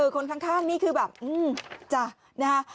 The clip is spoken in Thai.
คนข้างนี่คือแบบจ้ะนะฮะ